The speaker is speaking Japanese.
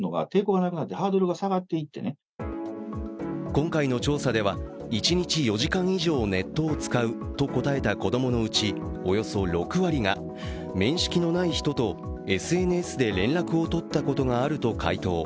今回の調査では、一日４時間以上ネットを使うと答えた子供のうちおよそ６割が、面識のない人とＳＮＳで連絡を取ったことがあると回答。